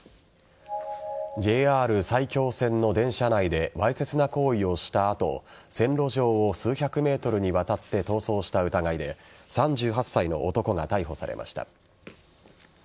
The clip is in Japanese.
ＪＲ埼京線の電車内でわいせつな行為をした後線路上を数百ｍにわたって逃走した疑いで３８歳の男が逮捕されました。